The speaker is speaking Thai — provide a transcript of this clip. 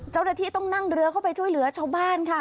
เจ้าหน้าที่ต้องนั่งเรือเข้าไปช่วยเหลือชาวบ้านค่ะ